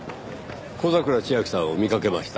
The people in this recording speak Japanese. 小桜千明さんを見かけました。